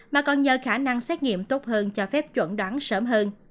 mà còn nhờ khả năng xét nghiệm tốt hơn cho phép chuẩn đoán sớm hơn